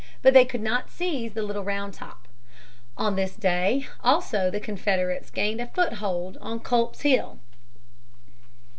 But they could not seize Little Round Top. On this day also the Confederates gained a foothold on Culp's Hill.